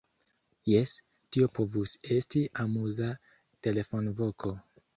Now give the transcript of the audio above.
Jes, tio povus esti amuza telefonvoko!